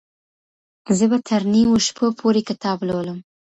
زه به تر نیمو شپو پورې کتاب لولم.